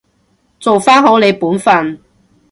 做返好你本分